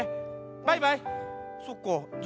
バイバイ。